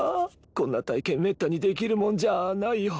こんな体験めったにできるもんじゃあないよ。